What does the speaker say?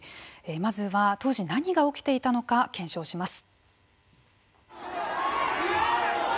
まずは当時、何が起きていたのか検証します。